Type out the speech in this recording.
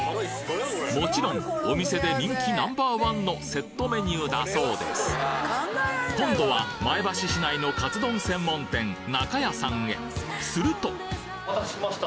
もちろんお店で人気Ｎｏ．１のセットメニューだそうです今度は前橋市内のカツ丼専門店するとお待たせしました。